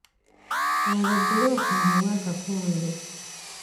Olwo bbulooka amuwa akakonge.